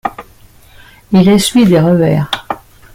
Il essuie des revers.